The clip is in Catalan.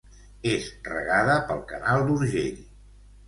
És regada pel Canal d'Urgell.